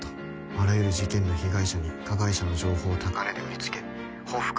「あらゆる事件の被害者に加害者の情報を高値で売りつけ報復